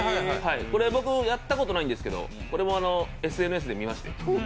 僕やったことないんですけど、これもＳＮＳで見まして。